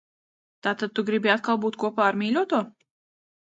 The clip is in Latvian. Tātad tu gribi atkal būt kopā ar mīļoto?